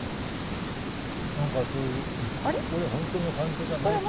何かそういうこれ本当の山頂じゃないという。